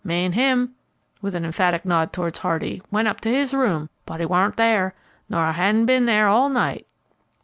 Me'n him," with an emphatic nod towards Hardy, "went up to his room, but he warn't there, nor hadn't ben there all night."